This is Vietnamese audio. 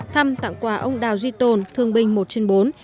thăm tặng quà ông đào duy tồn thương binh một trên bốn